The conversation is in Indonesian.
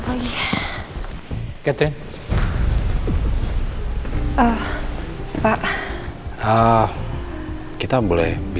sakit perut ya